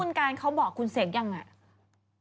แล้วคุณการเขาบอกคุณเสกอย่างไร